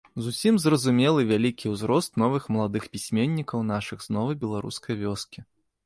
Зусім зразумелы вялікі ўзрост новых маладых пісьменнікаў нашых з новай беларускай вёскі.